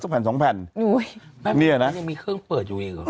สักแผ่นสองแผ่นอุ้ยนี่แหละมันยังมีเครื่องเปิดอยู่เองหรอ